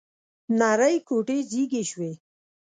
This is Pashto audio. نرۍ ګوتې زیږې شوې